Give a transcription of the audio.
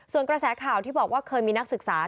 ส่วนกระแสข่าวที่บอกว่าเคยมีนักศึกษา